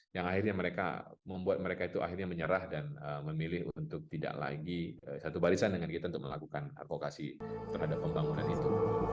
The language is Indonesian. yang akhirnya mereka membuat mereka itu akhirnya menyerah dan memilih untuk tidak lagi satu barisan dengan kita untuk melakukan advokasi terhadap pembangunan itu